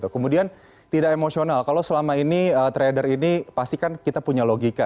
kemudian tidak emosional kalau selama ini trader ini pasti kan kita punya logika